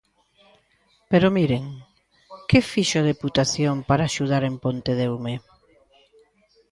Pero miren, ¿que fixo a deputación para axudar en Pontedeume?